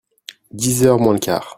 Dix heures moins le quart.